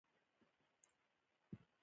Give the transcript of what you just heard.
فکر مند کېناست.